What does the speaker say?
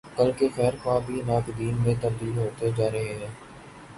کل کے خیر خواہ بھی ناقدین میں تبدیل ہوتے جارہے ہیں۔